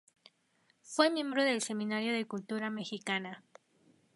Fue miembro del Seminario de Cultura Mexicana.